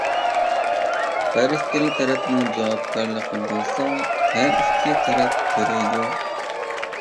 ھەر ئىككىلا تەرەپنىڭ جاۋابكارلىقى بولسا، ھەر ئىككى تەرەپ تۆلەيدۇ.